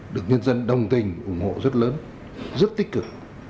được nhân dân đồng tình ủng hộ rất lớn rất tích cực